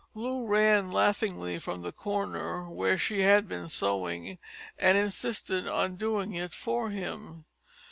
Loo ran laughingly from the corner where she had been sewing, and insisted on doing it for him.